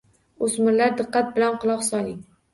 O‘smirga diqqat bilan quloq soling.